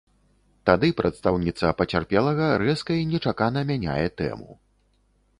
Тады прадстаўніца пацярпелага рэзка і нечакана мяняе тэму.